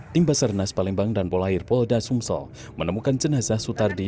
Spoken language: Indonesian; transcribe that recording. tim basarnas palembang dan polair pol dasumso menemukan jenazah sutardi